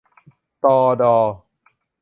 ตอ ฏอ